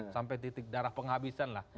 sampai titik darah penghabisan lah